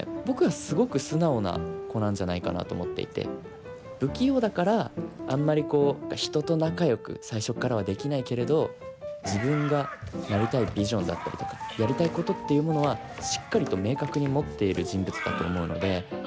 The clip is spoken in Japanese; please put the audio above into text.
僕はすごく素直な子なんじゃないかなと思っていて不器用だからあんまりこう人と仲よく最初っからはできないけれど自分がなりたいビジョンだったりとかやりたいことっていうものはしっかりと明確に持っている人物だと思うので。